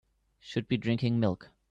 Should be drinking milk.